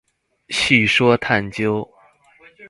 敘說探究